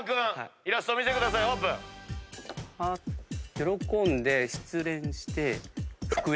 喜んで失恋して復縁。